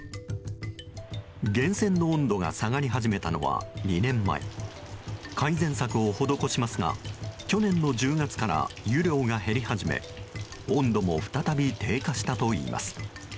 源泉の温度が下がり始めたのは２年前改善策を施しますが去年の１０月から湯量が減り始め温度も再び低下したといいます。